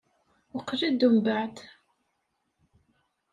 Qqel-d umbeεd.